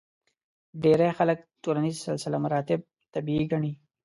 ډېری خلک ټولنیز سلسله مراتب طبیعي ګڼي.